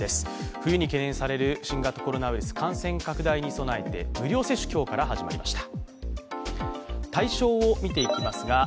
冬に懸念される新型コロナウイルス感染拡大に備えて無料接種、今日から始まりました。